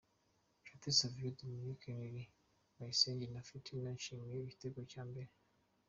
Nshuti Savio Dominique, Emery Bayisenge, na Fitina bishimira igitego cya mbere.